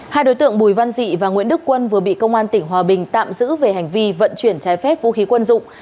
hai đối tượng bùi văn dị và nguyễn đức quân vừa bị công an tỉnh hòa bình tạm giữ về hành vi vận chuyển trái phép vũ khí quân dụng